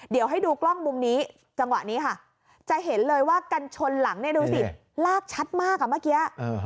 เดี๋ยวให้ดูกล้องมุมนี้จังหวะนี้ค่ะจะเห็นเลยว่ากันชนหลังเนี่ยดูสิลากชัดมากอ่ะเมื่อกี้